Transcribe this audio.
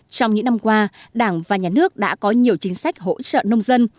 trong những năm qua đảng và nhà nước đã có nhiều chính sách hỗ trợ nông dân